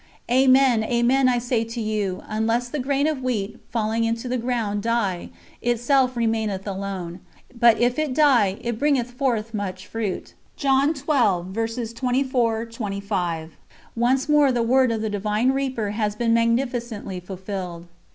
"Amen, amen, I say to you, unless the grain of wheat, falling into the ground, die, itself remaineth alone. But if it die, it bringeth forth much fruit." Once more the word of the Divine Reaper has been magnificently fulfilled.